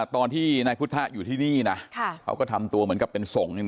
ตอนที่นายพุทธอยู่ที่นี่นะเขาก็ทำตัวเหมือนกับเป็นส่ง